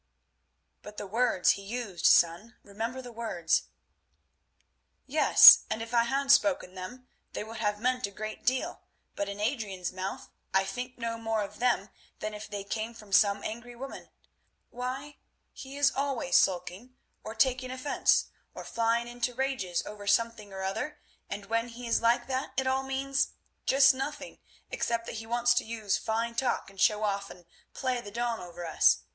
"But the words he used, son. Remember the words." "Yes, and if I had spoken them they would have meant a great deal, but in Adrian's mouth I think no more of them than if they came from some angry woman. Why, he is always sulking, or taking offence, or flying into rages over something or other, and when he is like that it all means—just nothing except that he wants to use fine talk and show off and play the Don over us.